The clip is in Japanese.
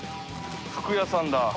服屋さんだ。